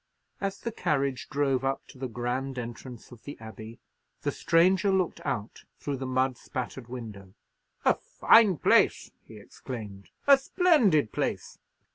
As the carriage drove up to the grand entrance of the Abbey, the stranger looked out through the mud spattered window. "A fine place!" he exclaimed; "a splendid place!"